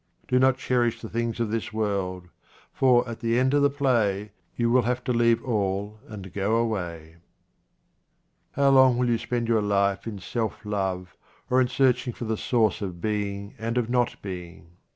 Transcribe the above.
Do not cherish the things of this world, for at the end of the play you will have to leave all and go away. How long will you spend your life in self love, or in searching for the source of being and of not being ?